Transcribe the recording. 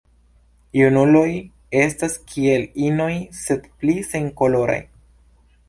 Junuloj estas kiel inoj, sed pli senkoloraj.